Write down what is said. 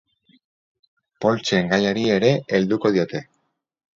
Poltsen gaiari ere helduko diote.